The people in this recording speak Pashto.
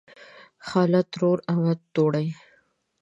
خاله ترور امه توړۍ